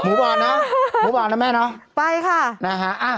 หมูบอลนะหมูบอลนะแม่เนอะไปค่ะนะฮะ